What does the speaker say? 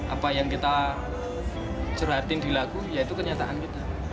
apa yang kita curhatin di lagu yaitu kenyataan kita